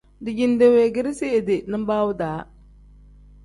Dijinde weegeresi idi nibaawu-daa.